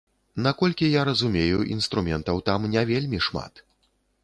Наколькі я разумею, інструментаў там не вельмі шмат.